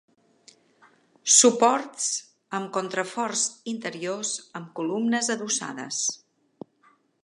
Suports amb contraforts interiors amb columnes adossades.